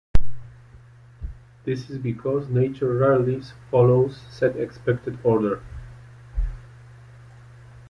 This is because nature rarely follows set expected order.